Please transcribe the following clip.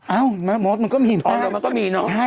เอ้ามะมดมันก็มีเนี่ยอ๋อมันก็มีเนอะ